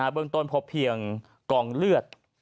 เบื้องต้นพบเพียงกองเลือด